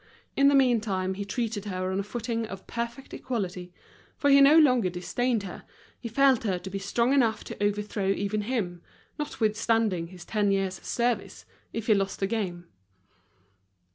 In the meantime, he treated her on a footing of perfect equality, for he no longer disdained her, he felt her to be strong enough to overthrow even him, notwithstanding his ten years' service, if he lost the game.